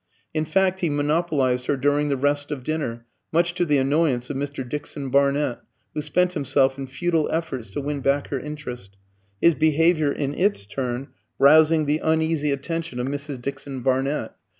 In fact, he monopolised her during the rest of dinner, much to the annoyance of Mr. Dixon Barnett, who spent himself in futile efforts to win back her interest, his behaviour in its turn rousing the uneasy attention of Mrs. Dixon Barnett.